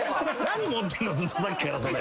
ずっとさっきからそれ。